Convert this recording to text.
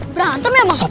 berantem ya abah